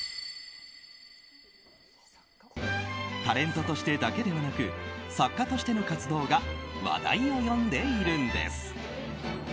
タレントとしてだけではなく作家としての活動が話題を呼んでいるんです。